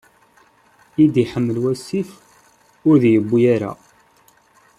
I d-iḥmel wasif, ur d-yewwi ara.